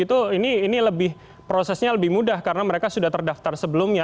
ini prosesnya lebih mudah karena mereka sudah terdaftar sebelumnya